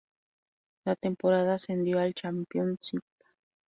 La temporada ascendió al Championship.